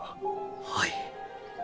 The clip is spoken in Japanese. はい。